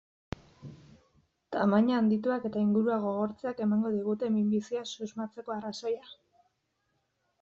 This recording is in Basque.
Tamaina handituak eta ingurua gogortzeak emango digute minbiziaz susmatzeko arrazoia.